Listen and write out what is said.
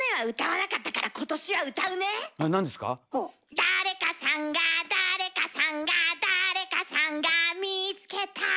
「だれかさんがだれかさんがだれかさんが見つけた」